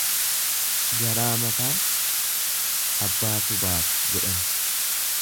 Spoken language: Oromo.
Garaa mataa abbaatu baata jedhan.